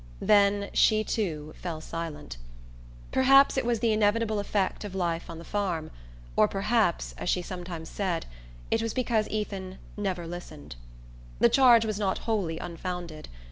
Then she too fell silent. Perhaps it was the inevitable effect of life on the farm, or perhaps, as she sometimes said, it was because Ethan "never listened." The charge was not wholly unfounded.